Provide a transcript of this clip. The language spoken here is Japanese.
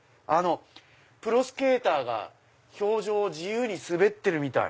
プロスケーターが氷上を自由に滑ってるみたい。